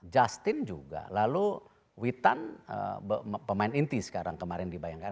justin juga lalu witan pemain inti sekarang kemarin di bayangkara